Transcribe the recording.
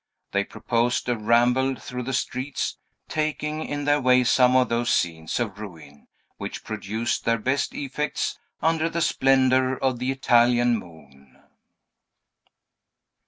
They proposed a ramble through the streets, taking in their way some of those scenes of ruin which produced their best effects under the splendor of the Italian moon.